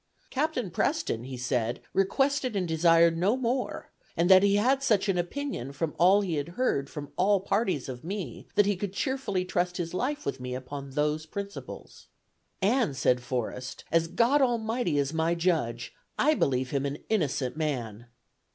'Captain Preston,' he said, 'requested and desired no more; and that he had such an opinion from all he had heard from all parties of me, that he could cheerfully trust his life with me upon those principles.' 'And,' said Forrest, 'as God Almighty is my judge, I believe him an innocent man.'